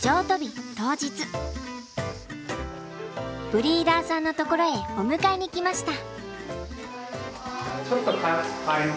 ブリーダーさんの所へお迎えに来ました。